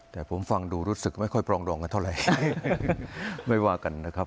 แต่ผมฟังดูรู้สึกไม่ค่อยปรองดองกันเท่าไหร่ไม่ว่ากันนะครับ